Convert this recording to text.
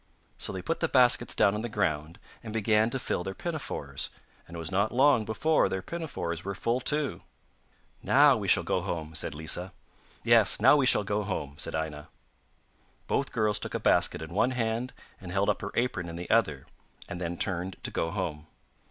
So they put the baskets down on the ground and began to fill their pinafores, and it was not long before their pinafores were full, too. 'Now we shall go home,' said Lina. 'Yes, now we shall go home,' said Aina. Both girls took a basket in one hand and held up her apron in the other and then turned to go home.